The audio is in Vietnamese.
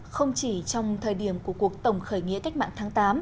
không chỉ trong thời điểm của cuộc tổng khởi nghĩa cách mạng tháng tám